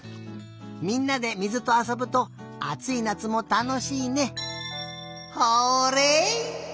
みんなで水とあそぶとあついなつもたのしいね。